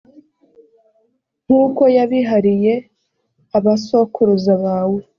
nk’uko yabirahiye abasokuruza bawe,